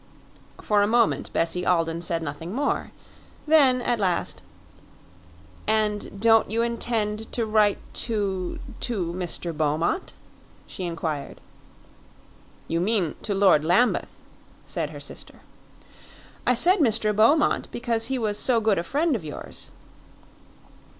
For a moment Bessie Alden said nothing more; then, at last, "And don't you intend to write to to Mr. Beaumont?" she inquired. "You mean to Lord Lambeth," said her sister. "I said Mr. Beaumont because he was so good a friend of yours."